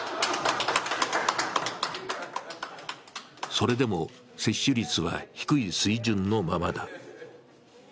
それでも接種率は低い水準のままだ。